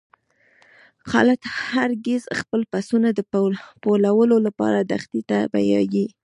خالد هر ګیځ خپل پسونه د پوولو لپاره دښتی ته بیایی.